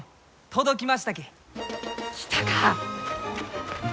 来たか！